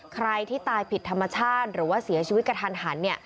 ใครที่ตายผิดธรรมชาติหรือว่าเสียชีวิตกระทันหัน